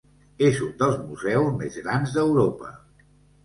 És un dels museus més grans d'Europa.